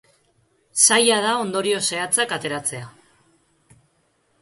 Zaila da ondorio zehatzak ateratzea.